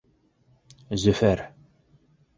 Зөфәр: